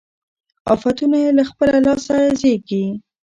آفتونه یې له خپله لاسه زېږي